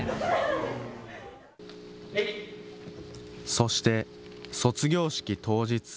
そして、卒業式当日。